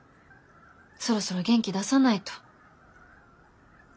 そろそろ元気出さないと。